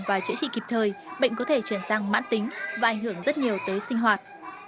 và chữa trị kịp thời bệnh có thể chuyển sang mãn tính và ảnh hưởng rất nhiều tới sinh hoạt